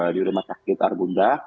di rumah sakit argunda